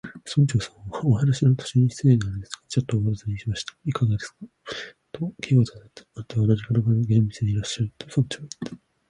「村長さん、お話の途中なのに失礼ですが、ちょっとおたずねしたいのですが」と、Ｋ はいった。「あなたはなかなか厳密でいらっしゃる」と、村長はいった。